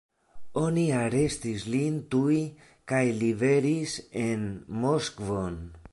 Oni arestis lin tuj kaj liveris en Moskvon.